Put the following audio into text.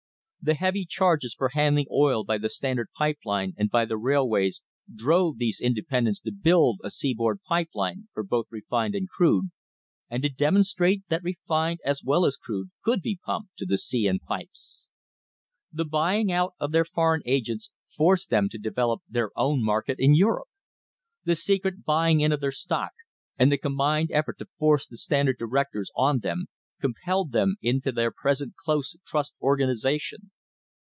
The heavy charges for handling oil by the Standard pipe line and by the railways drove these independents to build a seaboard pipe line for both refined and crude, and to demonstrate that refined as well as crude could be pumped to the sea in pipes. The buy ing out of their foreign agents forced them to develop their own market in Europe. The secret buying in of their stock, and the combined effort to force the Standard directors on them, compelled them into their present close trust organisa tion.